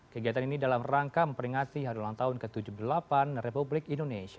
kegiatan ini dalam rangka memperingati hari ulang tahun ke tujuh puluh delapan republik indonesia